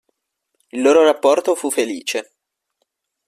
Il loro rapporto fu felice.